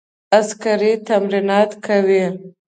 عسکري تمرینات کوي.